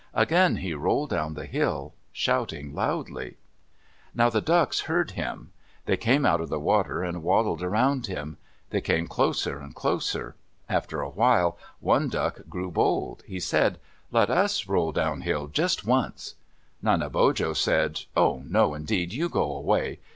Again he rolled down the hill, shouting loudly. Now the ducks heard him. They came out of the water and waddled around him. They came closer and closer. After a while, one duck grew bold. He said, "Let us roll downhill just once." Nanebojo said, "Oh, no indeed, you go away!